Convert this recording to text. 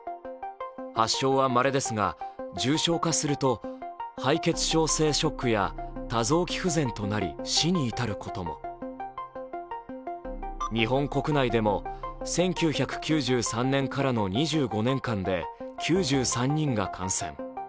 発症はまれですが、重症化すると敗血症性ショックや多臓器不全となり、死に至ることも日本国内でも、１９９３年からの２５年間で９３人が感染。